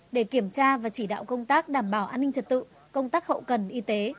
để kiểm tra và chỉ đạo công tác đảm bảo an ninh trật tự công tác hậu cần y tế